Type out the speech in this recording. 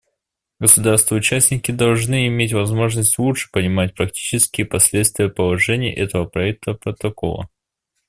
Государства-участники должны иметь возможность лучше понимать практические последствия положений этого проекта протокола.